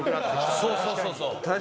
そうそうそうそう。